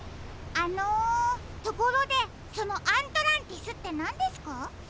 あのところでそのアントランティスってなんですか？